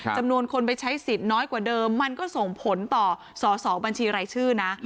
จำนวนคนไปใช้สิทธิ์น้อยกว่าเดิมมันก็ส่งผลต่อสอสอบัญชีรายชื่อนะ